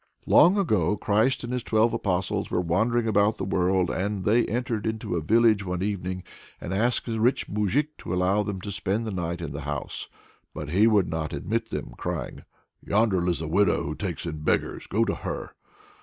Long, long ago, Christ and his twelve Apostles were wandering about the world, and they entered into a village one evening, and asked a rich moujik to allow them to spend the night in his house. But he would not admit them, crying: "Yonder lives a widow who takes in beggars; go to her."